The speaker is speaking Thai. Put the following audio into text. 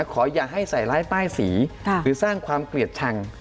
อย่าให้ใส่ร้ายป้ายสีหรือสร้างความเกลียดชัง